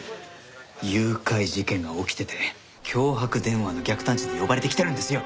誘拐事件が起きてて脅迫電話の逆探知で呼ばれて来てるんですよ！